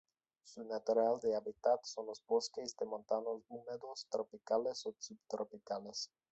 Su natural de hábitat son los bosques de montanos húmedos tropicales o subtropicales.